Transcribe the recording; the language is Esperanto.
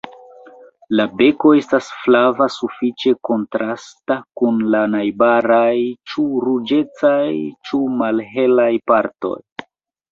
La beko estas flava sufiĉe kontrasta kun la najbaraj ĉu ruĝecaj ĉu malhelaj partoj.